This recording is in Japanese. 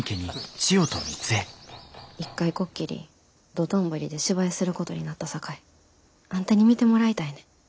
一回こっきり道頓堀で芝居することになったさかいあんたに見てもらいたいねん。